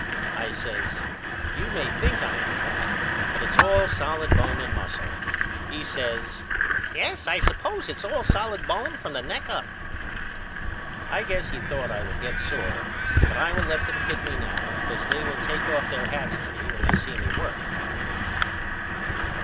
I says You may think I am fat, but it's all solid bone and muscle. He says Yes I suppose it's all solid bone from the neck up. I guess he thought I would get sore but I will let them kid me now because they will take off their hats to me when they see me work.